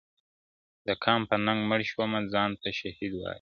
د قام په ننګ مړ شـؤمه ځان تۀ شهيــــــد وايمه